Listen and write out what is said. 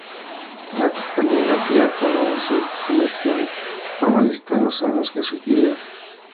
La caligrafía coreana se convirtió en formalista en los años que siguieron.